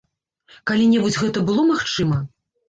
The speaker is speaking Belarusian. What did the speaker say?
Калі-небудзь гэта было магчыма?